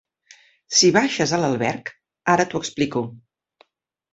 Si baixes a l'alberg ara t'ho explico.